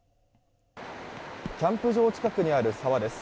キャンプ場近くにある沢です。